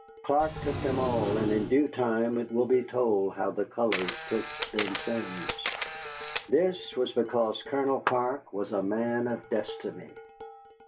Clark took them all, and in due time it will be told how the colors took Vincennes. This was because Colonel Clark was a man of destiny.